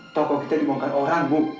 toko kita dibongkar orang bu